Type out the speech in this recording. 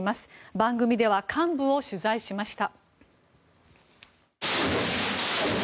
番組では幹部を取材しました。